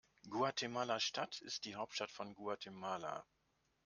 Guatemala-Stadt ist die Hauptstadt von Guatemala.